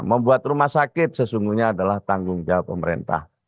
membuat rumah sakit sesungguhnya adalah tanggung jawab pemerintah